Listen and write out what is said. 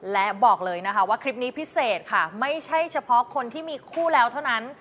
และบอกเลยนะคะว่าคลิปนี้พิเศษค่ะไม่ใช่เฉพาะคนที่มีคู่แล้วเท่านั้น